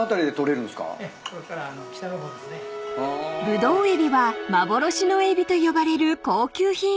［ブドウエビは幻のエビと呼ばれる高級品］